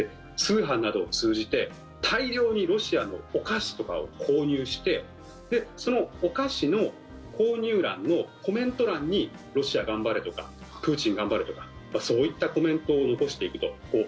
通販などを通じて大量にロシアのお菓子とかを購入してそのお菓子の購入欄のコメント欄にロシア頑張れとかプーチン頑張れとかそういったコメントを残していくと。